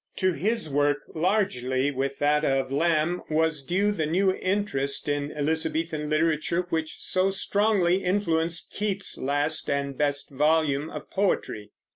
To his work largely, with that of Lamb, was due the new interest in Elizabethan literature, which so strongly influenced Keats's last and best volume of poetry.